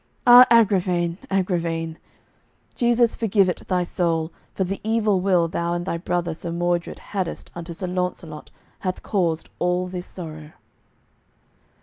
Ah, Agravaine, Agravaine, Jesu forgive it thy soul, for the evil will thou and thy brother Sir Mordred haddest unto Sir Launcelot hath caused all this sorrow."